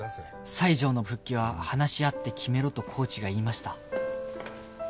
西条の復帰は話し合って決めろとコーチが言いました